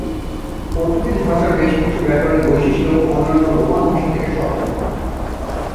Portuguese ভাষার বেশ কিছু ব্যাকরণিক বৈশিষ্ট্য অন্যান্য রোমান ভাষা থেকে স্বতন্ত্র।